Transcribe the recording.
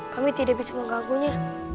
kami tidak bisa mengganggunya